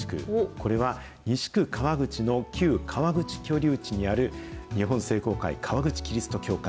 これは西区川口の旧川口居留地にある、日本聖公会川口基督教会。